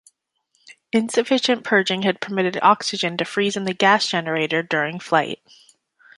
Insufficient purging had permitted oxygen to freeze in the gas generator during flight.